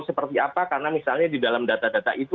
seperti apa karena misalnya di dalam data data itu